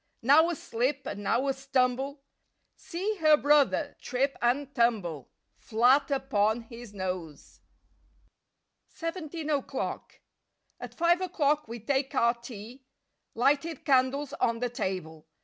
Now a slip and now a stumble— See her brother trip and tumble Elat upon his nose! 41 SIXTEEN O'CLOCK 43 SEVENTEEN O'CLOCK 4T five o'clock we take our tea; xX Lighted candles on the table.